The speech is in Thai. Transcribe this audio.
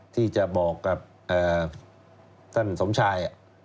ที่จะบอกกับท่านสมชาย